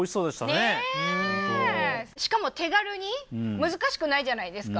しかも手軽に難しくないじゃないですか。